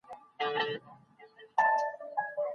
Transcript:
حساب کتاب نه ثبتېږي.